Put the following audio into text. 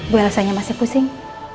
bu elsanya masih pusing